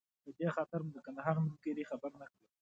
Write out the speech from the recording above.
په دې خاطر مو د کندهار ملګري خبر نه کړل.